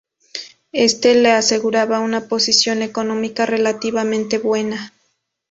Éste les aseguraba una posición económica relativamente buena.